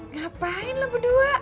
ngapain lo berdua